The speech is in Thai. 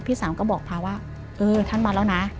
พี่สาวก็บอกพาว่าเออท่านมาแล้วนะ